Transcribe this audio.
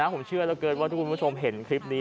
ผมเชื่อเหลือเกินว่าทุกคุณผู้ชมเห็นคลิปนี้